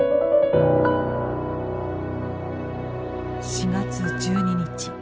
４月１２日。